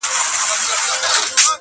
و چاته چي ښوولی پېړۍ مخکي ما تکبیر دی,